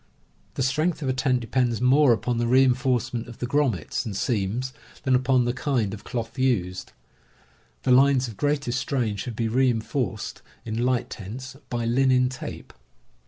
The strength of a tent depends more upon the reinforcement of the grommets TENTS AND TOOLS 39 and seams than upon the kind of cloth used. The lines of greatest strain should be reinforced, in light tents, by linen tape.